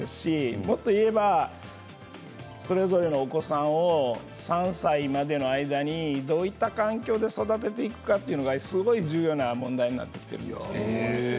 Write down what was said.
毎日することが大事ですしもっと言えばそれぞれのお子さんを３歳までの間にどういった環境で育てていくかというのがすごく重要な問題になってきているんですね。